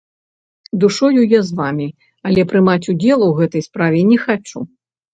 Душою я з вамі, але прымаць удзел у гэтай справе не хачу!